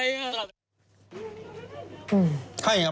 แทงปรากฏเอามา